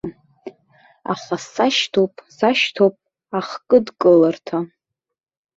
Аха сашьҭоуп, сашьҭоуп ахкыдкыларҭа.